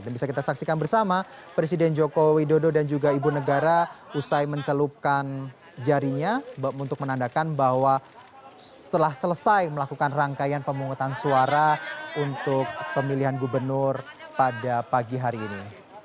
dan bisa kita saksikan bersama presiden jokowi dodo dan juga ibu negara usai mencelupkan jarinya untuk menandakan bahwa setelah selesai melakukan rangkaian pemungutan suara untuk pemilihan gubernur pada pagi hari ini